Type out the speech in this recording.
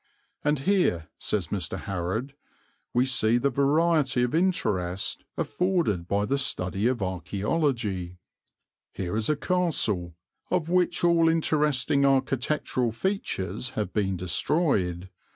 'And here,' says Mr. Harrod, 'we see the variety of interest afforded by the study of archæology. Here is a castle, of which all interesting architectural features have been destroyed.